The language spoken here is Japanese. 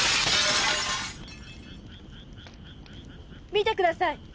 見てください。